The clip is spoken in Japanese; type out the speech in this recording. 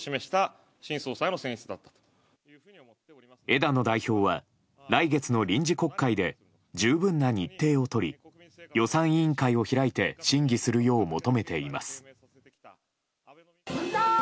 枝野代表は来月の臨時国会で十分な日程を取り予算委員会を開いて審議するよう求めています。